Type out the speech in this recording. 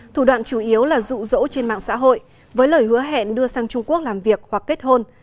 thủ đoạn chủ yếu là rụ rỗ trên mạng xã hội với lời hứa hẹn đưa sang trung quốc làm việc hoặc kết hôn